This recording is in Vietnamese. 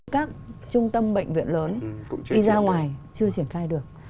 các trung tâm bệnh viện lớn đi ra ngoài chưa triển khai được